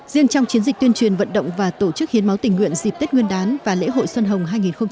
riêng trong chiến dịch tuyên truyền vận động và tổ chức hiến máu tình nguyện dịp tết nguyên đán và lễ hội xuân hồng hai nghìn hai mươi